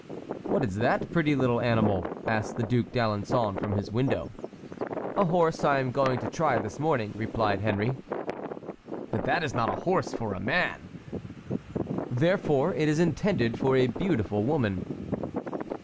"What is that pretty little animal?" asked the Duc d'Alençon from his window. "A horse I am going to try this morning," replied Henry. "But that is not a horse for a man." "Therefore it is intended for a beautiful woman."